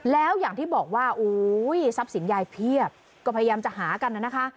แล้วอย่างที่บอกว่าโอ้ยทรัพย์สินยายเพียบก็พยายามจะหากันนะคะ